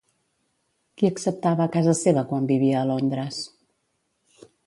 Qui acceptava a casa seva quan vivia a Londres?